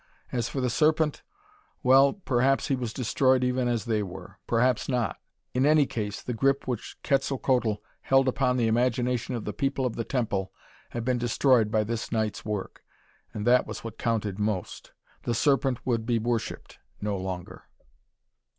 As for the Serpent well, perhaps he was destroyed even as they were. Perhaps not. In any case the grip which Quetzalcoatl held upon the imagination of the People of the Temple had been destroyed by this night's work, and that was what counted most. The Serpent would be worshipped no longer.